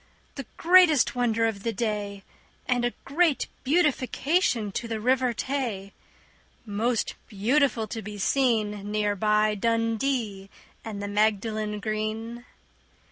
The greatest wonder of the day, And a great beautification to the River Tay, Most beautiful to be seen, Near by Dundee and the Magdalen Green.